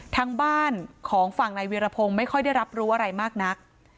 ทางบ้านของฝั่งนายวิรพงศ์ไม่ค่อยได้รับรู้อะไรมากนัก